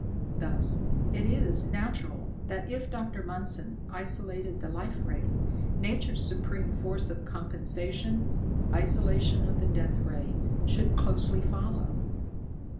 Thus, it is natural that if Dr. Mundson isolated the Life Ray, Nature's supreme force of compensation, isolation of the Death Ray should closely follow.